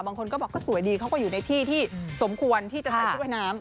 บางคนก็บอกก็สวยดีเขาก็อยู่ในที่ที่สมควรที่จะใส่ชุดว่ายน้ำ